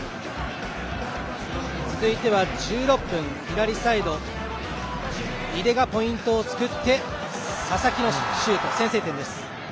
続いては１６分左サイド、井出がポイントを作って佐々木のシュート、先制点です。